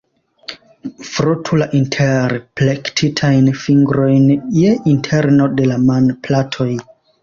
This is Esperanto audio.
Frotu la interplektitajn fingrojn je interno de la manplatoj.